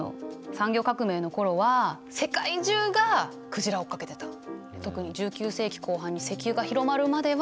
産業革命の頃は世界中が鯨を追っかけてたの。